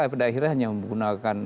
pada akhirnya hanya menggunakan